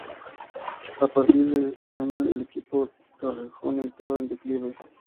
A partir de ese año, el equipo de Torrejón entró en declive.